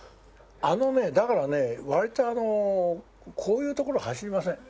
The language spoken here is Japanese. あのねだからね割とあのこういう所走りません。